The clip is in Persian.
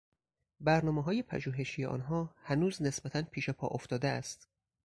برنامههای پژوهشی آنها هنوز نسبتا پیش پا افتاده است.